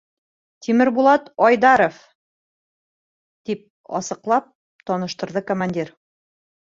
— Тимербулат Айдаров, — тип асыҡлап таныштырҙы командир.